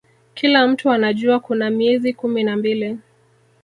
Kila mtu anajua kuna miezi kumi na mbili